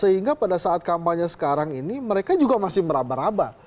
sehingga pada saat kampanye sekarang ini mereka juga masih meraba raba